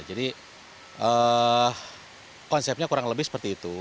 konsepnya kurang lebih seperti itu